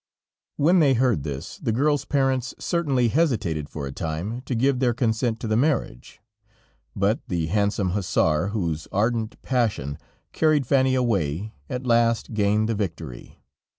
When they heard this, the girl's parents certainly hesitated for a time, to give their consent to the marriage, but the handsome hussar, whose ardent passion carried Fanny away, at last gained the victory.